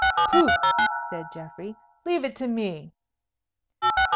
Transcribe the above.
"Pooh!" said Geoffrey, "leave it to me."